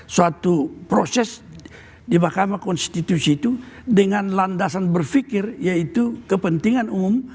suatu proses di mahkamah konstitusi itu dengan landasan berpikir yaitu kepentingan umum